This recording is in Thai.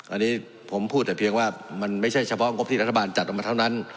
อันนี้ผมพูดแต่เพียงว่ามันไม่ใช่เฉพาะงบที่รัฐบาลจัดออกมาเท่านั้น